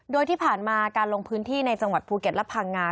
โดยที่ผ่านมาการลงพื้นที่ในจังหวัดภูเก็ตและพังงา